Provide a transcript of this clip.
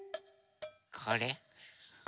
これ？